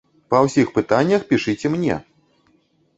Па ўсіх пытаннях пішыце мне!